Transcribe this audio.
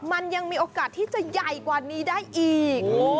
มันยังมีโอกาสที่จะใหญ่กว่านี้ได้อีก